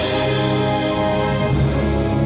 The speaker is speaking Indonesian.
tidak ada apa apa